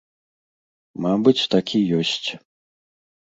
Мабыць, так і ёсць.